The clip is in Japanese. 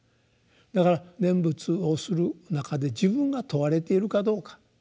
だから念仏をする中で自分が問われているかどうか。